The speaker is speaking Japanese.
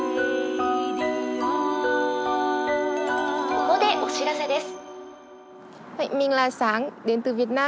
ここでお知らせです。